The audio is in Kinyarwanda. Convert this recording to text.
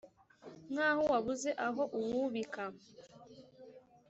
nk ' aho wabuze aho uwubika